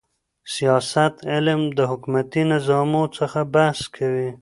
د سیاست علم د حکومتي نظامو څخه بحث کوي.